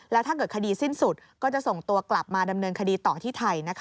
แล้วถ้าเกิดคดีสิ้นสุดก็จะส่งตัวกลับมาดำเนินคดีต่อที่ไทย